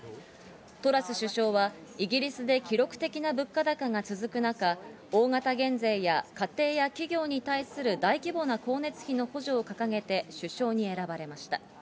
トラス首相はイギリスで記録的な物価高が続く中、大型減税や家庭や企業に対する大規模な光熱費の補助を掲げて首相に選ばれました。